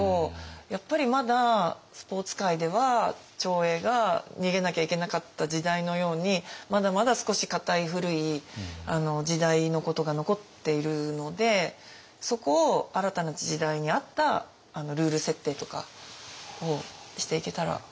やっぱりまだスポーツ界では長英が逃げなきゃいけなかった時代のようにまだまだ少し固い古い時代のことが残っているのでそこを新たな時代に合ったルール設定とかをしていけたら。